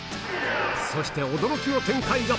そして驚きの展開が。